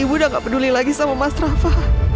ibu udah gak peduli lagi sama mas rafa